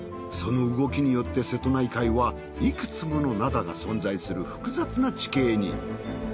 その動きによって瀬戸内海はいくつもの灘が存在する複雑な地形に。